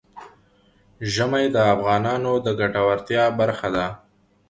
ژمی د افغانانو د ګټورتیا برخه ده.